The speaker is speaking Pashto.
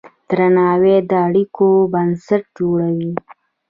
درناوی د اړیکو بنسټ جوړوي.